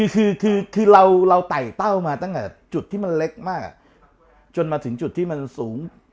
คือเราไต่เต้ามาตั้งแต่จุดที่มันเล็กมากจนมาถึงจุดที่มันสูง